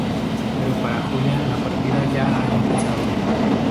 Pero para Julia la partida ya ha empezado.